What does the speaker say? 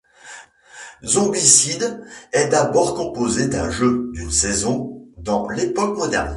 Zombicide est d'abord composé d'un jeu, d'une saison, dans l'époque moderne.